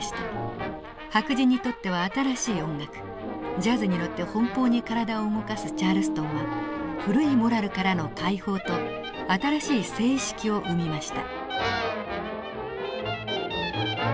ジャズに乗って奔放に体を動かすチャールストンは古いモラルからの解放と新しい性意識を生みました。